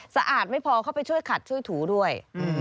สะอาดไม่พอเข้าไปช่วยขัดช่วยถูด้วย